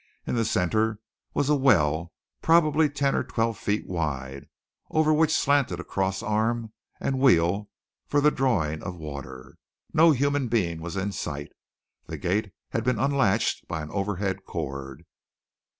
In the centre was a well, probably ten or twelve feet wide, over which slanted a cross arm and wheel for the drawing of water. No human being was in sight; the gate had been unlatched by an overhead cord.